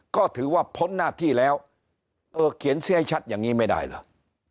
ก็ถือว่าพ้นหน้าที่แล้วเออเขียนเสียให้ชัดอย่างนี้ไม่ได้เหรอ